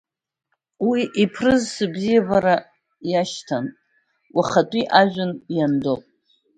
Уи иԥрыз сыбзиабара иашьҭан, уахатәи ажәҩан иандоуп!